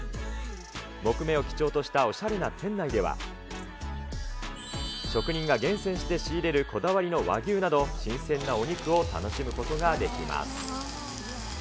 木目を基調としたおしゃれな店内では、職人が厳選して仕入れるこだわりの和牛など、新鮮なお肉を楽しむことができます。